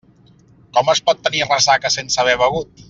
Com es pot tenir ressaca sense haver begut?